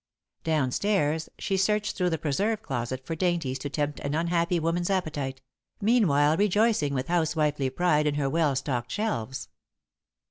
Downstairs, she searched through the preserve closet for dainties to tempt an unhappy woman's appetite, meanwhile rejoicing with housewifely pride in her well stocked shelves.